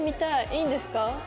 いいんですか？